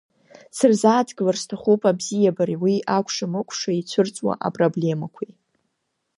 Сырзааҭгылар сҭахуп абзиабареи уи акәшамыкәша ицәырҵуа апроблемақәеи.